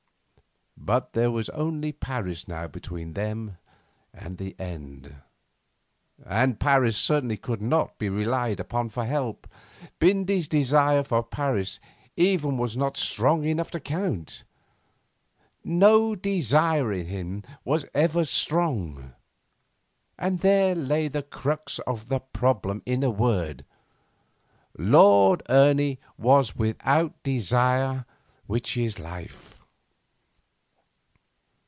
But there was only Paris now between them and the end; and Paris certainly could not be relied upon for help. Bindy's desire for Paris even was not strong enough to count. No desire in him was ever strong. There lay the crux of the problem in a word Lord Ernie was without desire which is life.